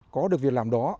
có được việc làm đó